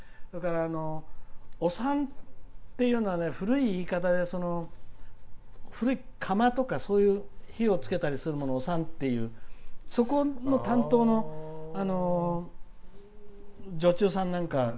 それから「おさん」っていうのは古い言い方で、釜とか火をつけたりするものをおさんっていうそこの担当の女中さんなんか。